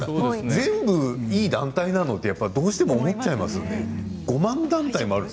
全部いい団体なの？とどうしても思っちゃいますよね。